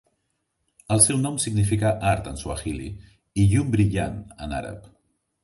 El seu nom significa "art" en suahili i "llum brillant" en àrab.